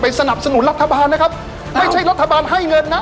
สนับสนุนรัฐบาลนะครับไม่ใช่รัฐบาลให้เงินนะ